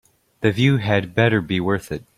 The view had better be worth it.